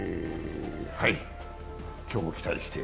今日も期待して。